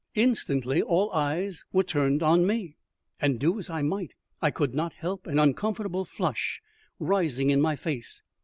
Instantly all eyes were turned on me, and, do as I might, I could not help an uncomfortable flush rising in my face.